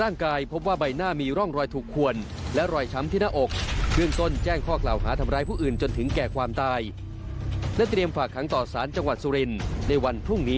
อันนี้หมามันไม่ได้กัดค่ะ